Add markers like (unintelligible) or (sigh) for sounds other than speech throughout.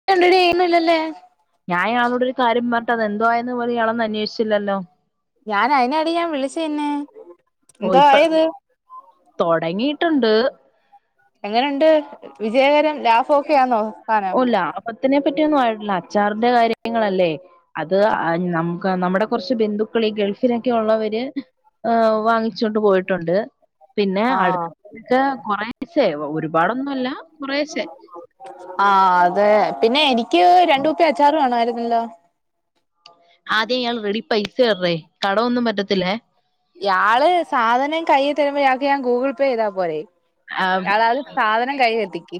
(unintelligible) ഞാൻ ഇയാളോട് ഒരു കാര്യം പറഞ്ഞിട്ട് അത് എന്തോയാന്ന് പോലും ഇയാളൊന്ന് അന്വേഷിച്ചില്ലല്ലോ? ഞാൻ അയിനാടി ഞാൻ വിളിച്ച നിന്നെ ഓ എന്തോ ഇപ്പൊ ആയത് തുടങ്ങിയിട്ടുണ്ട് എങ്ങനെയുണ്ട് വിജയകരം ലാഭൊക്കെയാന്നോ സാനം (unintelligible) പറ്റിയൊന്നും ആയിട്ടില്ല അച്ചാറിന്റെ കാര്യങ്ങളല്ലേ അത് ആഹ് നമ് നമ്മുടെ കുറച്ച് ബന്ധുക്കൾ ഈ ഗൾഫിലൊക്കെ ഉള്ളവര് വാങ്ങിച്ചോണ്ട് പോയിട്ടുണ്ട്. പിന്നെ ആഹ് അട്ക്ക കുറേശെ ഒരുപാടൊന്നും ഇല്ല കുറേശേ ആഹ് അതെ പിന്നെ എനിക്ക് രണ്ട് കുപ്പി അച്ചാറ് വേണമായിരുന്നല്ലോ? ആദ്യം ഇയാള് റെഡി പൈസ (unintelligible) കടം ഒന്നും പറ്റത്തില്ലേ ഇയാള് സാധനം കയ്യിൽ തരുമ്പോ ഇയാൾക്ക് ഞാൻ ഗൂഗിൾ പേ ചെയ്താ പോരെ ആ, (unintelligible) സാധനം കയ്യിലെത്തിക്ക്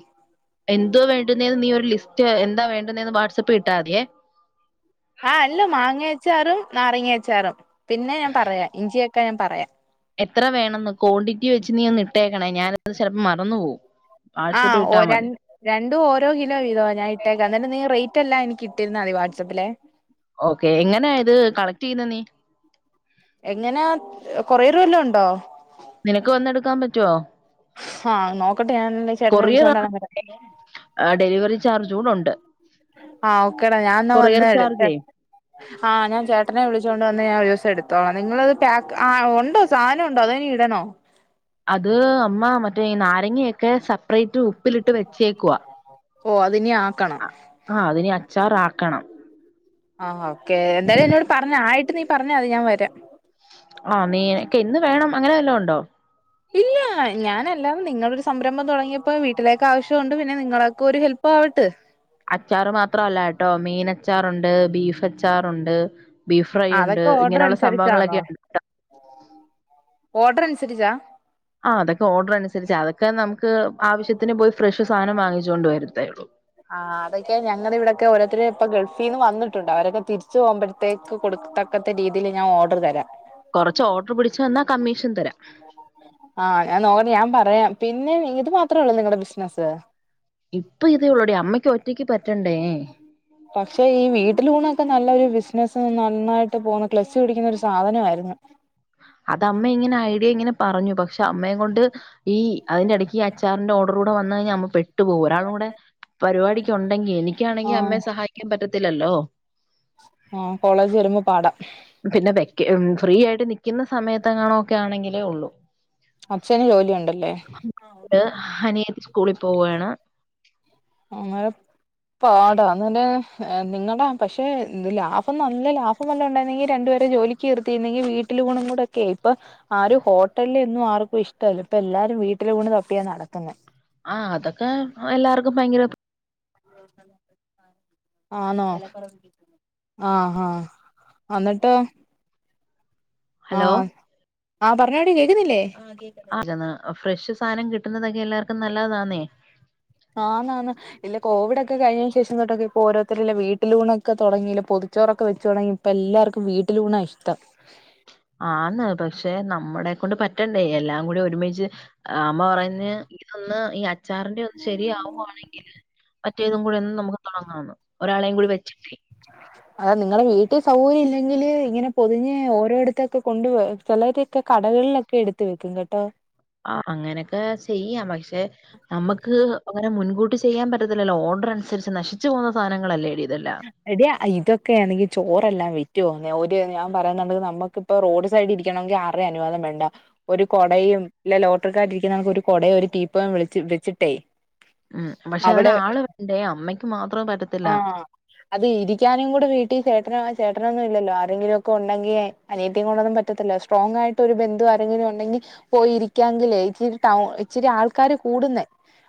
എന്തുവാ വേണ്ടുന്നേന്ന് നീ ഒരു ലിസ്റ്റ് എന്താ വേണ്ടുന്നേന്ന് വാട്സ്ആപ്പിൽ ഇട്ടാതിയേ ആഹ് അല്ല മാങ്ങ അച്ചാറും നാരങ്ങ അച്ചാറും പിന്നെ ഞാൻ പറയാം ഇഞ്ചിയൊക്കെ ഞാൻ പറയാം. എത്ര വേണെന്ന് ക്വാണ്ടിറ്റി വെച്ച് നീ ഒന്ന് ഇട്ടേക്കണേ ഞാനത് ചിലപ്പോം മറന്ന് പോകും. വാട്സആപ്പ് ആഹ് ഇട്ടാ മതി (unintelligible) രണ്ടും ഓരോ കിലോ വീതം ഞാൻ ഇട്ടേക്കാം എന്നിട്ട് നീ റേറ്റ് എല്ലാം എനിക്ക് ഇട്ടിരുന്നാൽ മതി വാട്സാപ്പിലെ ഓക്കെ എങ്ങനെയാ ഇത് കളക്ട് ചെയ്യുന്ന നീ? എങ്ങനാ കൊറിയർ വല്ലോ ഉണ്ടോ? നിനക്ക് വന്നെടുക്കാൻ പറ്റുവോ? ആഹ് നോക്കട്ടെ ഞാൻ അങ്ങനുണ്ടെങ്കി ചേട്ടനെ വിളിച്ചോണ്ടങ്ങാനം വരാം ആഹ് ഡെലിവറി ചാർജ് കൂടെ ഉണ്ട്. ആഹ് ഓക്കടാ ഞാൻന്നാ കൊറിയർ വന്നടുത്ത ചാർജേ ആഹ് ഞാൻ ചേട്ടനെ വിളിച്ചൊണ്ട് വന്ന് ഞാൻ ഓരോസം എടു തോള നിങ്ങളത് പാക്ക് ആ ഉണ്ടോ സാധനം ഉണ്ടോ അതനി ഇടണോ? അത് അമ്മ മറ്റേ ഈ നാരങ്ങയൊക്കെ സെപ്പറേറ്റ് ഉപ്പിലിട്ട് വെച്ചേക്വാ ഓ അതിനി ആക്കണം ആഹ് അതിനെ അച്ചാറ ആക്കണം ആഹ് ഓക്കെ എന്തായാലും എന്നോട് പറഞ്ഞ ആയിട്ട് നീ പറഞ്ഞ മതി ഞാൻ വരാം. ആഹ് നീനക്ക് എന്ന് വേണം അങ്ങനെ വല്ലാം ഉണ്ടോ. ഇല്ല ആഹ് ഞാനല്ലാം നിങ്ങളൊരു സംരംഭം തുടങ്ങിയപ്പോ വീട്ടിലേക്ക് ആവശ്യമുണ്ട്. പിന്നെ നിങ്ങളക്കെ ഒരു ഹെപ്പ് ആവട്ടെ. അച്ചാറ് മാത്രല്ല കേട്ടോ, മീൻ അച്ചാറുണ്ട് ബീഫ് അച്ചാറുണ്ട്. ബീഫ് ഫ്രൈ ഉണ്ട് ഇങ്ങനെയുള്ള സംഭവങ്ങളൊക്കെ ഉണ്ട്. ഓഡർ അനുസരിച്ചാ. ആഹ് അതൊക്കെ ഓർഡർ അനുസരിച്ചാ അതൊക്കെ നമുക്ക് ആവശ്യത്തിന് പോയി ഫ്രഷ് സാധനം വാങ്ങിച്ച കൊണ്ട് വരത്തേയുള്ളൂ. ആഹ് അതൊക്കെ ഞങ്ങള്. ഇവിടെയൊക്കെ ഓരോത്തര് ഇപ്പ ഗൾഫിന് വന്നിട്ടുണ്ട് അവരൊക്കെതിരിച്ചു പോകുമ്പോഴ ത്തേക്ക് കൊടുത്തക്കത്ത രീതിയിൽ ഞാൻ ഓർഡർ തരാം. കൊറച്ച് ഓർഡർ പിടിച്ചു തന്നാ കമ്മീഷൻ തരാം. ആഹ് ഞാൻ നോക്കട്ടെ ഞാൻ പറയാം. പിന്നെ ഇത് മാത്രേള്ളൂ നിങ്ങളുടെ ബിസിനസ്സ്. ഇപ്പൊ ഇതേ ഉള്ളൂടി അമ്മക്ക് ഒറ്റയ്ക്ക് പറ്റണ്ടേ. പക്ഷേ ഈ വീട്ടില് ഊണൊക്കെ നല്ലൊരു ബിസിനസ് നന്നായിട്ടുണ്ട് പോകുന്ന ക്ലച്ച് പിടിക്കുന്നൊരു സാധനമായിരുന്നു. അതമ്മ ഇങ്ങനെ ഐഡിയ ഇങ്ങനെ പറഞ്ഞു. പക്ഷെ അമ്മയെ കൊണ്ട് ഈ അതിന്റെ ഇടയ്ക്ക് ഈ അച്ചാറിന്റെ ഓർഡർ കൂടെ വന്ന്. കഴിഞ്ഞാ അമ്മ പെട്ടു പോകും ഒരാള് കൂട. പരിപാടിക്ക് ഉണ്ടെങ്കി എനിക്കാണെങ്കി ആഹ് അമ്മയെ സഹായിക്കാൻ പറ്റത്തില്ലല്ലോ. ആഹ് കോളേജിൽ വരുമ്പോ പാടാം. പിന്നെ വെക്ക ഫ്രീ ആയിട്ട് നിക്കുന്ന സമയത്ത്അങ്ങണേ ഒക്കെ ആണെങ്കിലേ ഉള്ളൂ. അച്ഛന് ജോലിയുണ്ടല്ലേ അനിയൻ സ്കൂളിൽ പോവേണ്. അങ്ങനെ പാടാണന് നിങ്ങളടാ പക്ഷെ ലാഭം നല്ല ലാഭം. അപോവല്ലം ഉണ്ടെങ്കി രുണ്ടു പേരെക്ക ജോലിക്ക് നിർത്തിയെങ്കിൽ വീട്ടിൽ ഊണും കൂടെക്കെ ആയി ഇപ്പൊ ആരും ഹോട്ടലിന്നും ആർക്കും ഇഷ്ടമല്ല. ഇപ്പ എല്ലാരും വീട്ടില് ഊണ് തപ്പിയാ നടക്കുന്ന. ആഹ് അതൊക്കെ എല്ലാർക്കും ഭയങ്കര. ആണോ ആഹ് ആഹ്. അന്നിട്ട് ഹലോ ആഹ് ആ പറഞ്ഞോടി കേൾക്കുന്നില്ലേ. ഫ്രഷ് സാധനം കിട്ടുന്നതൊക്കെ എല്ലാവർക്കും നല്ലതാന്നേ. ആന്നാണ്. ഇല്ല കോവിഡ് കഴിഞ്ഞ ശേഷം തൊട്ടക്കെ ഇപ്പോ ഓരോരുത്തരെല്ലാം വീട്ടിലൂണൊക്കെ തുടങ്ങിലെ പൊതിച്ചോറൊക്കെ വച്ച് തുടങ്ങങ്കി ഇപ്പ എല്ലാർക്കും വീട്ടില് ഊണാ ഇഷ്ടം. ആന്ന് പക്ഷെ നമ്മുടെക്കൊണ്ട് പറ്റണ്ടേ എല്ലാം കൂടി ഒരുമിച്ച്. ആ അമ്മ പറയുന്ന ഇതൊന്ന് ഈ അച്ചാറിന്റെ ഒന്ന് ശരിയാവുവാണെങ്കിൽ മറ്റേതും കൂടെ ഒന്നു നമുക്ക് താങ്ങാന്ന്. ഒരാളെയും കൂടി വച്ചിട്ടെ. അത് നിങ്ങളുടെ വീട്ടിൽ സൗകര്യം ഇല്ലെങ്കില് ഇങ്ങനെ പൊതിഞ്ഞ് ഓരോടത്ത കൊണ്ട് പോയി, ചിലരൊക്കെ കടകളിലൊക്കെ എടുത്ത് വെക്കും കേട്ടോ. ആഹ് അങ്ങനെയൊക്കെ ചെയ്യാം. പക്ഷെ നമക്ക് അങ്ങനെ മുൻകൂട്ടി ചെയ്യാൻ പറ്റത്തില്ലല്ലോ. ഓർഡർ അനുസരിച്ച് നശിച്ചു പോകുന്ന സാധനങ്ങളല്ലേടി ഇതെല്ലാം. എടി. ഇതൊക്കെയാണെങ്കിൽ ചോറെല്ലാം വിറ്റു പോകുന്ന ഒരുര് ഞാൻ പറയുന്നുണ്ടെങ്കിൽ നമ്മുക്ക് ഇപ്പൊ റോഡ് സൈഡി ഇരിക്കണങ്കി ആരുടെയും അനുവാദം വേണ്ട ഒരു കുടയും ഇല്ല ലോട്ടറിക്കാർ ഇരിക്കുന്ന കണക്ക് ഒരു കുടയും ഒരു റ്റിപോയും വിളിച്ച് വെച്ചിട്ടേ ഉം പക്ഷെ അതിനാള് അവിടെ വേണ്ടേ അമ്മയ്ക്ക് മാത്രം അ പറ്റത്തില്ല ആഹ് അത് ഇരിക്കാനും കൂടെ വീട്ടി ചേട്ടന് ചേട്ടനൊന്നും ഇല്ലോ ആരെങ്കിലും ഉണ്ടെങ്കി അനിയത്തി കൊണ്ടൊന്നും പറ്റത്തില്ല സ്ട്രോങ് ആയിട്ട് ഒരു ബന്ധു ആരെങ്കിലും ഉണ്ടെങ്കി പോയിരിക്കാങ്കിലെ ഇച്ചിരി ടൗ ഇച്ചിരി ആൾക്കാര് കൂടുന്നേ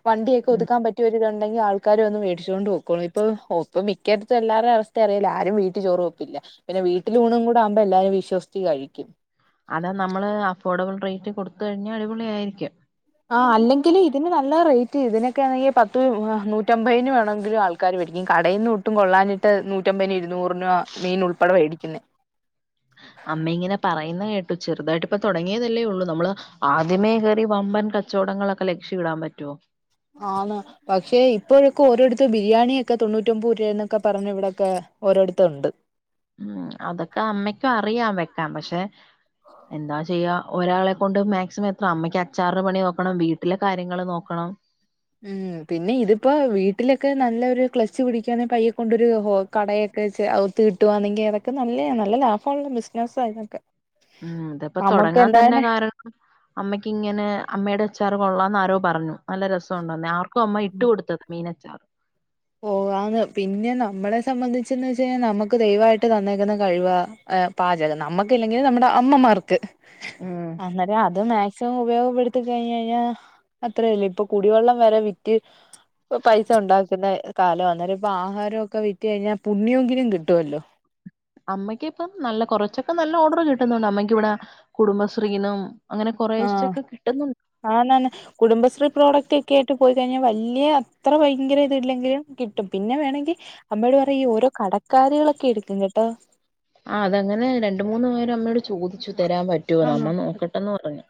വണ്ടിയൊക്കെ ഉം ഒതുക്കാൻ പറ്റിയൊരു ഇതുണ്ടെങ്കി ആൾക്കാരെ ഒന്ന് മേടിച്ചുകൊണ്ട് പോകോളും ഇപ്പ ഓപ്പ് മിക്ക ഇടത്തും എല്ലാവരുടെ അവസ്ഥ അറിയില്ല ആരും വീട്ടി ചോറ് വയ്ക്കില്ല പിന്നെ വീട്ടില് ഊണ് കൂടെ ആകുമ്പോ എല്ലാരും വിശ്വസിച്ച് കഴിക്കും അതാ അത് നമ്മുടെ നമ്മള് അഫോർഡബിൾ റേറ്റ് കൊടുത്ത് കഴിഞ്ഞ അടിപൊളിയായിരിക്കും. ആഹ് അല്ലെങ്കിലും ഇതിന് നല്ല റേറ്റ് ഇതിനൊക്കൊണെങ്കി പത്ത് നൂറ്റമ്പതിന് വേണെങ്കിലും ആൾ ആൾക്കാര് മേടിക്കും കടയിന്ന് ഒട്ടും കൊള്ളാനിട്ട് നൂറ്റമ്പതിനന് ഇരുന്നൂറിനോ മീൻ ഉൾപ്പെടെ വേടിക്കുന്നെ അമ്മ ഇങ്ങനെ പറയുന്ന കേട്ടു ചെറുതായിട്ട് ഇപ്പ തുടങ്ങിയതല്ലേ ഉള്ളൂ നമ്മള് ആദ്യമേ കയറി വമ്പൻ കച്ചവടങ്ങളൊക്കെ ലക്ഷ്യ ഇടാൻ പറ്റുവോ ആന്ന് പക്ഷേ ഇപ്പോഴൊക്കെ ഓരോടത്തും ബിരിയാണിയൊക്കെ തൊണ്ണൂറ്റി ഒമ്പത് രൂപയ എന്നൊക്കെ പറഞ്ഞ ഇവിടൊക്കെ ഓരോടത്തും ഉണ്ട് ഉം അതൊക്കെ അമ്മക്കും അറിയാം വെക്കാ പക്ഷെ എന്താ ചെയ്യുക ഒരാളെ കൊണ്ട് മാക്സിമം എത്ര അമ്മക്ക് അച്ചാറിടെ പണി നോക്കണം വീട്ടിലെ കാര്യങ്ങൾ നോക്കണം ഉം പിന്നെ ഇതിപ്പോ വീട്ടിലൊക്കെ നല്ലൊരു ക്ലച്ച് പിടിക്കുകവാന്നെ പയ്യെ കൊണ്ടരു ഹോ കടയൊക്കെച്ച് ഒത്ത് കിട്ടുവാന്നെങ്കി അതൊക്കെ നല്ല നല്ല ലാഭമുള്ള ബിസിനസ്സ് അതൊക്കെ ഉം ഇതപ്പോ തുടങ്ങാൻ തന്നെ കാരണം അമ്മയ്ക്ക ഇങ്ങനെ അമ്മയുടെ അച്ചാർ കൊള്ളാംന്ന് ആരോ പറഞ്ഞു നല്ല രസ ണ്ടെന്ന് ആർക്കും അമ്മ ഇട്ട കൊടുത്തത് മീനച്ചാറ് ഓ ആന്ന് പിന്നെ നമ്മളെ സംബന്ധിച്ചെന്ന് വെച്ച കഴിഞ്ഞാൽ നമുക്ക് ദൈവായിട്ട് തന്നേക്കുന്ന കഴിവ ആഹ് പാചകം നമ്മുക്കില്ലെങ്കി നമ്മുടെ അമ്മമാർക്ക് അന്നേരം അത് മാക്സിമം ഉപയോഗപ്പെടുത്തി കഴിഞ്ഞഴിഞ്ഞാ അത്രല്ല ഇപ്പൊ കുടിവെള്ളം വരെ വിറ്റ് പൈസ ഉണ്ടാക്കുന്ന കാലം അന്നേരം ഇപ്പ ആഹാരം ഒ ഒക്കെ വിറ്റ് കഴിഞ്ഞ പുണ്യങ്കിലും കിട്ടുമല്ലോ അമ്മയ്ക്ക ഇപ്പ നല്ല കൊറച്ചൊക്കെ നല്ല ഓർഡർ കിട്ടുന്നുണ്ട് അമ്മയ്ക്ക് ഇവിടെ കുടുംബശ്രീനും അങ്ങനെ കുറേശ്ച്ചൊക്കെ കിട്ടുന്നുണ്ട് ആനന്നെ കുടുംബശ്രീ പ്രോഡക്റ്റ് ഒക്കെ ആയിട്ട് പോയി കഴിഞ്ഞാൽ വല്യ അത്ര ഭയങ്കര ഇത് ഇല്ലെങ്കിലും കിട്ടും പിന്നെ വേണങ്കി അമ്മയൊട് പറയും ഈ ഓരോ കടക്കാരികളൊക്കെ എടുക്കും കേട്ടോ ആഹ് അതങ്ങനെ രണ്ട് മൂന്ന് പേര് അമ്മയോട് ചോദിച്ചു തരാൻ പറ്റുവോന്ന് ആഹ് അമ്മ നോക്കട്ടെന്ന് പറഞ്ഞു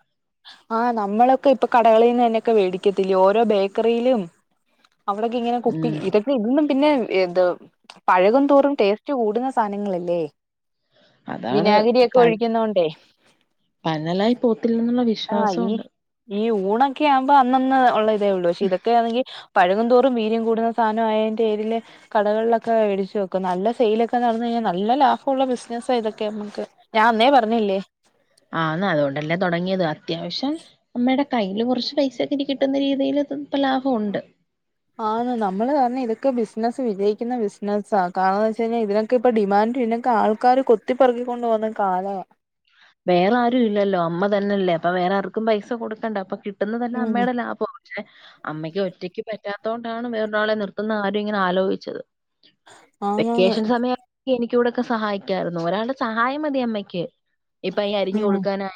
ആഹ് നമ്മളൊക്കെ ഇപ്പൊ കടകളിന്ന് തന്നെയൊക്കെ വേടിക്കത്തില്ലിയൊ ഓരോ ബേക്കറിലും അവിടെക്കെ ഇങ്ങനെ കുപ്പി ഉം ഇതൊക്കെ ഇതൊന്നും പിന്നെ എത് പഴകും തോറും ടേസ് സ്റ്റ് കൂടുന്ന സാധനങ്ങളല്ലേ അതാണ് വിനാഗിരി ഒക്കെ ഒഴിക്കുന്നോണ്ടേ പനലായി പോത്തില്ലന്നുള്ള വി ആഹ് ഈ ഈ ഊണൊക്കെ ആവുമ്പോ അന്നന്ന് ഉള്ള ഇതേ ഉള്ളൂ പക്ഷെ ഇതൊക്കെയാന്നെങ്കി പഴുകും തോറും വീര്യം കൂടുന്ന സാധനം ആയതിന്റെ ഏരില് കടകളിലൊക്കെ മേടിച്ച് വെക്കും നല്ല സെയിലൊക്കെ നടന്നഴിഞ്ഞാ നല്ല ലാഭമുള്ള ബിസിനസ ഇതൊക്കെ നമുക്ക് ഞാൻ അന്നേ പറഞ്ഞില്ലേ ആന്ന് അതുകൊണ്ടല്ലേ തുടങ്ങിയത് അത്യാവശ്യം അമ്മയുടെ കയ്യിൽ കുറച്ച് പൈസൊക്കെ ഇനി കിട്ടുന്ന രീതിയില് ഇപ്പൊ ലാഭമുണ്ട് ആണ് നമ്മള് പറഞ്ഞ ഇതക്കെ ബിസിനസ് വിജയിക്കുന്ന ബിസിനസ കാരണം എന്ന് വെച്ചഴിഞ്ഞ ഇതിനെ ക്ക്പ്പ ഡിമാൻഡ്യുന്നൊക്കെ ആൾക്കാര് കൊത്തിപ്പറുകിക്കൊണ്ട് പോന്ന കാലവാ വേറെ ആരും ഇല്ലല്ലോ അമ്മ തന്നെല്ലേ അപ്പൊ വേറെ ആർക്കും പൈസ കൊടുക്കണ്ട അപ്പൊ കി പട്ടുന്നതന്നെ ഉം അമ്മയുടെ ലാഭം ക്ഷെ അമ്മയ്ക്ക് ഒറ്റക്ക് പറ്റാത്തോണ്ടാണ് വേറൊരാളെ നിർത്തുന്ന ആരും ഇങ്ങനെ ആലോയ്ച്ചത് ആന്നാന്ന് വെക്കേഷൻ സമയ എനിക്കൂടെക്കെ സഹായിക്കായിരുന്നു ഒരാളുടെ സഹായം മതി അമ്മയ്ക്ക് ഇപ്പൊ അയി അരിഞ്ഞു കൊടുക്കാനായ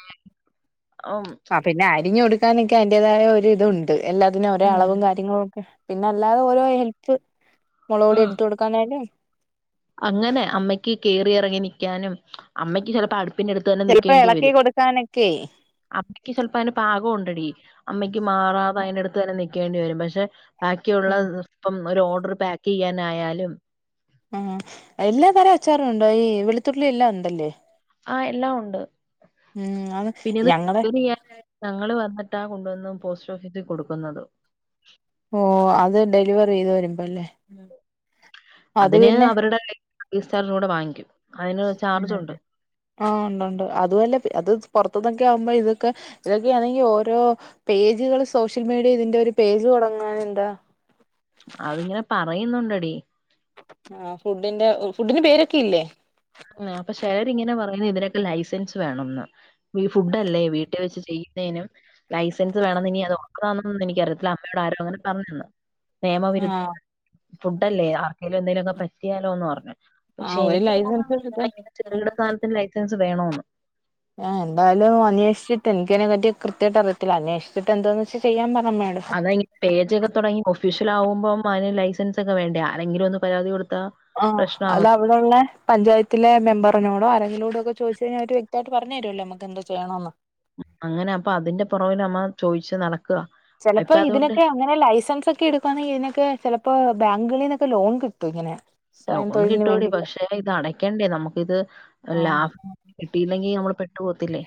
ആഹ് പിന്നെ അരിഞ്ഞു കൊടുക്കാനൊക്കെ അതിന്റേതായ ഒര് ഇതുണ്ട് എല്ലാ തിന് ഉം ഒരളവും കാര്യങ്ങളും ഒക്കെ പിന്നെ അല്ലാതെ ഓരോ ഹെൽപ് മുളകോടി എടുത്ത കൊടുക്കാനായാലും അങ്ങനെ അമ്മയ്ക്ക് കേറിയിറങ്ങി നിക്കാനും അമ്മയ്ക്ക് ചിലപ്പോ അടുപ്പിന്റെറെ അടുത്ത് തന്നെ ചിലപ്പോ നക്കേണ്ടി ഇളക്കി വരും കൊടുക്കാനൊക്കെ അമ്മയ്ക്ക് ചെലപ്പോ അതിന് പാകം ഉണ്ടടി അമ്മയ്ക്ക് മാറാതെ അയ്ന്റെ അടുത്ത് തന്നെ നിക്കേണ്ടി വരും പക്ഷെ ബാക്കിയുള്ള ഉം ഇപ്പം ഒരു ഓർഡർ പാക്ക്യ്യാനായാലും ഉം എല്ലാ തരം അച്ചാറുണ്ടോ ഈ വെളുത്തുള്ളി എല്ലാം ഉണ്ടല്ലേ ആഹ് എല്ലാം ഉണ്ട് ഉം അത് പിന്നെത് ഞങ്ങളടെ (unintelligible) ഞങ്ങള് വന്നിട്ടാ കൊണ്ടോന്ന് പോസ്റ്റ് ഓഫീസിൽ കൊടുക്കുന്നുന്നത് ഓഹ് അത് ഡെലിവറിയ്ത് വരുമ്പോല്ലേ അതിന് അവരുടെ സർവീസ് ചാർജൂടെ വാങ്ങിക്കും അതിന് ഉം ചാർജുണ്ട് ആഹ് ഉണ്ടൊണ്ട് അതുല്ല അത് പുറത്തന്നൊക്കെ ആവുമ്പോ ഇതൊക്കെ ഇതൊക്കെയാണെങ്കി ഓരോ പേജുകൾ സോഷ്യൽ മീഡിയേൽ ഇതിന്റെ ഒരു പേജ് തുടങ്ങാഞ്ഞെന്താ അതിങ്ങനെ പറയുന്നുണ്ടെടീ ആ ഫുഡിന്റെ ഫുഡിന് പേരൊക്കെയില്ലേ ആഹ് അപ്പൊ ചെലരിങ്ങനെ പറയുന്നു ഇതിനൊക്കെ ലൈസൻസ് വേണംന്ന് ഫുഡ് അല്ലേ വീ ട്ട് വെച്ച് ചെയ്യുന്നേനും ലൈസൻസ് വേണംന്ന് ഇനി അത് ഉണ്ടതാണൊന്നന്ന് എനിക്കറിയത്തില്ല അമ്മയോട് ആരോ അങ്ങനെ പറഞ്ഞെന്ന് നിയമവിരു ആഹ് ഫുഡല്ലേ ആർക്കെലും എന്തെങ്കിലൊക്കെ പറ്റിയാലോന്നറഞ്ഞു പക്ഷെ ആഹ് ഒരു എനിക്ക് ലൈസൻസ് തോന്നന്ന് കിട്ടാൻ (inaudible) ചെറുകിട സ്ഥാനത്തിന് ലൈസൻസ് വേണോന്ന് എന്തായാലും അന്വേഷിച്ചിട്ട് എനിക്കതിനെ പറ്റിയിട്ട് കൃത്യായിട്ട് അറിയത്തില്ല അന്വേഷിച്ചിട്ട് എന്താന്ന് വെച്ചാ ചെയ്യാൻ പറമ്മയോട് അതായിനി പേജൊക്കെ തുടങ്ങി ഓഫീഷ്യൽ ആകുമ്പം അതിന് ലൈസൻസ് ഒക്കെ വേണ്ടേ ആരെങ്കിലും ഒന്ന് പരാതി കൊടുത്താ ആഹ് അത ഇവിടെള്ള പഞ്ചായത്തിലെ മെമ്പറിനോടോ ആരെങ്കിലോടൊക്കെ ചോദിച്ചെഴിഞ്ഞാൽ അവര് വ്യക്തവായിട്ട് പറഞ്ഞു തരൊല്ലോ നമ്മക്ക് എന്തൊ ചെയ്യണോന്ന് അങ്ങനെ അപ്പൊ അതിന്റെ പുറവൽ അമ്മ ചോയിച്ച് നട ചെലപ്പോ ഇതിനൊക്കെ ഇങ്ങനെ ലൈസൻസ് ഒക്കെ എടുക്കുവാണെങ്കി ഇതിനൊക്കെ ചെലപ്പോ ബാങ്കുകളിന്നൊക്കെ ലോൺ കിട്ടും ഇങ്ങനെ സ്വയം ലോൺ തൊഴിലിന് കിട്ടൂടി. വേണ്ടിയിട്ട് പക്ഷെ ഇത് അടയ്ക്കേണ്ടേ നമുക്കിത് ആഹ് ലാഭം കിട്ടിയില്ലെങ്കി നമ്മൾ പെട്ടു പോകത്തില്ലേ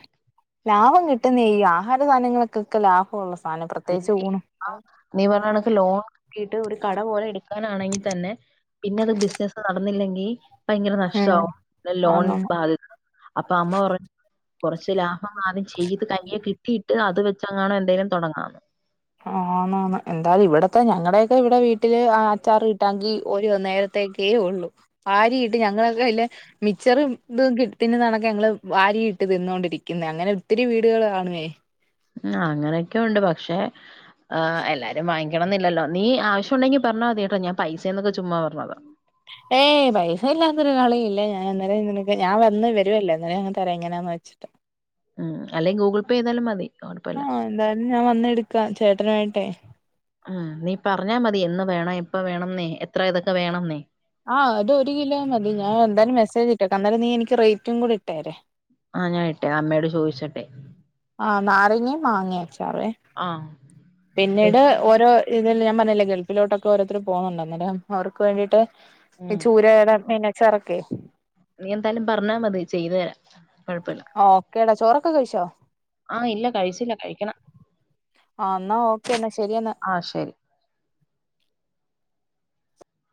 ലാഭം കിട്ടുന്നേ ഈ ആഹാര സാധനങ്ങൾക്കൊക്കെ ലാഭവൊള്ള ആഹ് നീ പറഞ്ഞ കണക്ക് ലോൺ കിട്ടിട്ട് ഒരു കട പോലെ എടുക്കാനാണെങ്കി തന്നെ പിന്നെ അത് ബിസിനസ് നടന്നില്ലെങ്കി ഭയങ്കര ഉം നഷ്ടാവും പിന്നെ ലോൺ ആന്ന് ആന്ന് ബാധ്യത അപ്പൊ അമ്മ പറഞ്ഞു കൊറച്ച് ലാഭം ആദ്യം ചെയ്ത് കയ്യേൽ കി ട്ടിയിട്ട് അത് വെച്ചെങ്ങാണോ എന്തെലും തൊടങ്ങാമെന്ന് ആഹ് ആന്നാന്ന് എന്തായാലും ഇവിടത്തെ ഞങ്ങടെയൊക്കെ ഇവിടെ വീട്ടില് അച്ചാറ് കിട്ടാങ്കി ഓരോ നേരത്തേക്കേ ഉള്ളു വാരി ഇട്ട് ഞങ്ങളൊക്കെ അല്ല മിച്ചർ ഇതും കി ത്തിന് കണക്കെ ഞങ്ങള് വാരി ഇട്ട് തിന്നോണ്ടിരിക്കുന്നേ അങ്ങനെ ഒത്തിരി വീടുകള് കാണുവേ ഉം അങ്ങനെയൊക്കെയൊണ്ട് പക്ഷെ ആഹ് എല്ലാരും വാങ്ങി ക്കണന്നില്ലല്ലോ നീ ആവശ്യ ഒണ്ടെങ്കി പറഞ്ഞാ മതി കേട്ടോ ഞാൻ പൈസയെന്നൊക്കെ ചുമ്മാ പറഞ്ഞതാ ഏയ് പൈസ ഇല്ലാത്തൊരു കളിയില്ലേ ഞാൻ ഇന്നലെ നിനക്ക് ഞാൻ വന്ന് വെ രുവല്ലെ അന്നേരം അങ്ങ് തരാ എങ്ങനെയാന്ന് വെച്ചിട്ട് ഉം അല്ലെങ്കി ഗൂഗിൾ പേ ചെയ്താലും മതി കൊഴപ്പയില്ലാ ആഹ് എന്തായാലും ഞാൻ വന്നെടുക്കാം ചേട്ടനുവായിട്ടേ ഉം നീ പറഞ്ഞാ മതി എന്ന് വേണം എപ്പം വേണന്നെ എത്ര ഇതൊക്കെ വേണന്നെ ആഹ് അത് ഒരു കിലോ മതി ഞാൻ എന്തായാലും മെസജ്ട്ടേക്കാ അന്നേരം നീ എനിക്ക് റേറ്റും കൂടെ ഇട്ടേരേ ആഹ് ഞാനിട്ടേ അമ്മയോട് ചോദിച്ചിട്ടെ ആഹ് നാരങ്ങയും മാങ്ങ അച്ചാറുവേ ആഹ് പിന്നീട് ഓരോ ഇതില് ഞാൻ പറഞ്ഞില്ലേ ഗൾഫിലോട്ടൊക്കെ ഓരോരുത്തർ പോന്നൊണ്ട് അന്നേരം അവർക്ക് വേണ്ടിയിട്ട് ഈ ഉം ചൂരേടെ മീനച്ചാറൊക്കെ നീ എന്തായാലും പറഞ്ഞാ മതി ചെയ്ത് തരാം കൊഴപ്പയില്ലാ ഓക്കേടാ ചോറൊക്കെ കഴിച്ചോ ആഹ് ഇല്ല കഴിച്ചില്ല കഴിക്കണം ആഹ് ഇന്നാ ഓക്കെ എന്നാ ശെരിയെന്നാ ആഹ് ശരി